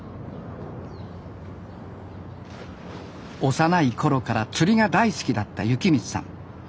幼い頃から釣りが大好きだった幸光さん。